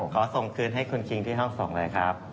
ขอส่งคืนให้คุณคิงที่ห้องส่งเลยครับ